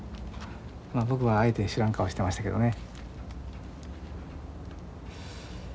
まあ僕はあえて知らん顔してましたけどね。